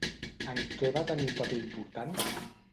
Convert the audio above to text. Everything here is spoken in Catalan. En què va tenir un paper important?